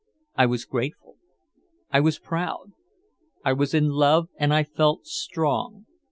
I was grateful, I was proud, I was in love and I felt strong.